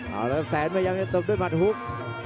เอาละครับแสนพยายามจะตบด้วยมัดฮุก